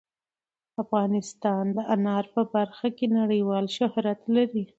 افغانستان د انار په برخه کې نړیوال شهرت لري.